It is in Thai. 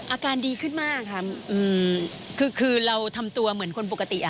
อาการดีขึ้นมากค่ะคือคือเราทำตัวเหมือนคนปกติอ่ะ